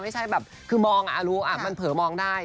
ไม่ใช่แบบคือมองอารุมันเผลอมองได้